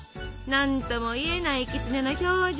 何ともいえないきつねの表情。